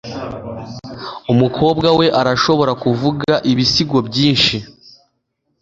umukobwa we arashobora kuvuga ibisigo byinshi